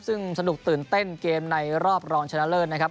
ซึ่งสนุกตื่นเต้นเกมในรอบรองชนะเลิศนะครับ